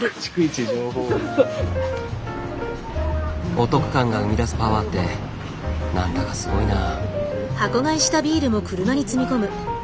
お得感が生み出すパワーって何だかすごいなぁ。